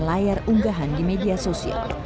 layar unggahan di media sosial